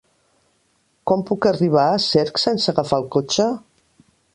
Com puc arribar a Cercs sense agafar el cotxe?